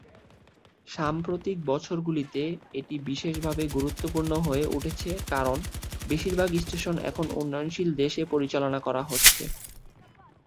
সাম্প্রতিক বছরগুলিতে এটি বিশেষভাবে গুরুত্বপূর্ণ হয়ে উঠেছে কারণ বেশিরভাগ স্টেশন এখন উন্নয়নশীল দেশ এ পরিচালনা করা হচ্ছে।